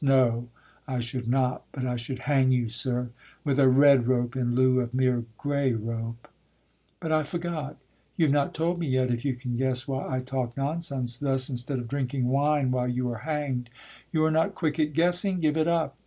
No I should not, but I should hang you, sir, With a red rope in lieu of mere grey rope. But I forgot, you have not told me yet If you can guess why I talk nonsense thus, Instead of drinking wine while you are hang'd? You are not quick at guessing, give it up.